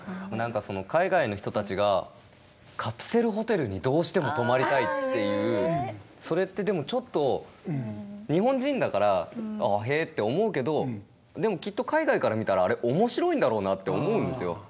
海外の人たちがカプセルホテルにどうしても泊まりたいっていうそれってでも日本人だから「へ」って思うけどでもきっと海外から見たらあれ面白いんだろうなと思うんですよ。